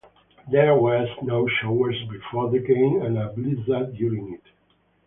There were snow showers before the game and a blizzard during it.